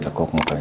ya udah deh